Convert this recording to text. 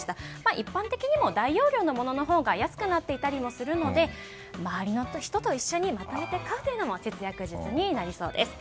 一般的にも大容量のもののほうが安くなっていたりもするので周りの人と一緒にまとめて買うのも節約術になりそうです。